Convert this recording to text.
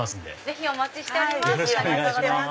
ぜひお待ちしております。